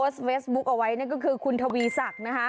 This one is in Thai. สวัสดีค่ะ